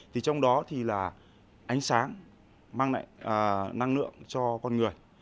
thì trong đó thì là ánh sáng mang lại năng lượng cho con người